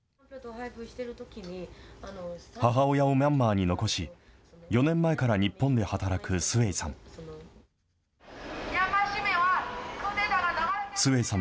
母親をミャンマーに残し、４年前から日本で働くスェイさん。